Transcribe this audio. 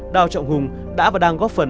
đào trọng hùng đã và đang góp phần